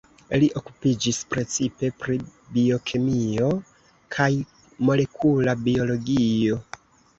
Li okupiĝis precipe pri biokemio kaj molekula biologio.